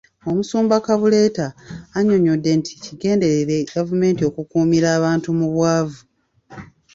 Omusumba Kabuleta annyonnyodde nti kigenderere gavumenti okukuumira abantu mu bwavu.